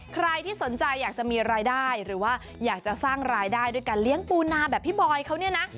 ใครที่สนใจอยากจะมีรายได้หรือว่าอยากจะสร้างรายได้ด้วยการเลี้ยงปูนาแบบพี่บอยเขาเนี่ยนะ